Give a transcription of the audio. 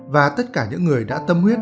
và tất cả những người đã tâm huyết